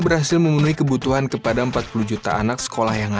berhasil memenuhi kebutuhan kepada empat puluh juta anak sekolah yang ada